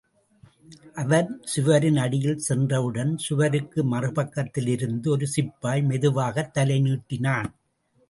அவன் சுவரின் அடியில் சென்றவுடன் சுவருக்கு மறுபக்கத்திலிருந்து ஒரு சிப்பாய் மெதுவாகத் தலை நீட்டினான்.